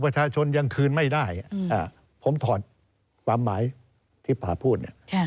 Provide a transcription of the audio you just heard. ประชาชนยังคืนไม่ได้ผมถอดความหมายที่ป่าพูดเนี่ย